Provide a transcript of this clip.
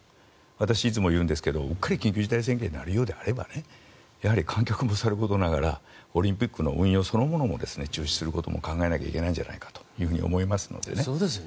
私いつも言うんですけどうっかり緊急事態宣言になるようであればやはり観客もさることながらオリンピックの運用そのものも中止することも考えなきゃいけないんじゃないかと思いますのでね。